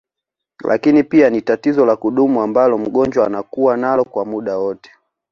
Lakini pia ni tatizo la kudumu ambalo mgonjwa anakua nalo kwa muda wote